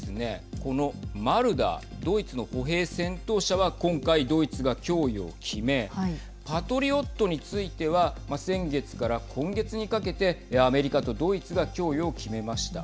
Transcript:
このマルダードイツの歩兵戦闘車は今回ドイツが供与を決めパトリオットについては先月から今月にかけてアメリカとドイツが供与を決めました。